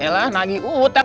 yalah nagi utap